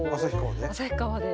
旭川で？